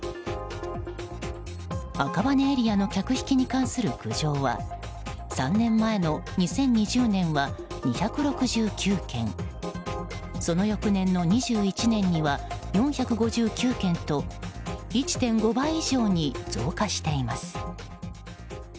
赤羽エリアの客引きに関する苦情は３年前の２０２０年は２６９件その翌年の２１年には４５９件と１．５倍以上に増加しています。